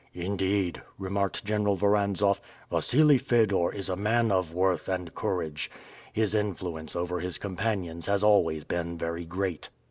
"Indeed," remarked General Voranzoff, "Wassili Fedor is a man of worth and courage. His influence over his companions has always been very great."